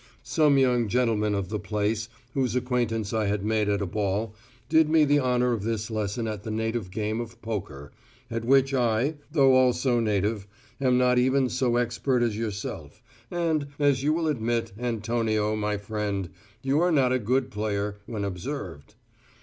Some young gentlemen of the place, whose acquaintance I had made at a ball, did me the honour of this lesson at the native game of poker, at which I though also native am not even so expert as yourself, and, as you will admit, Antonio, my friend, you are not a good player when observed.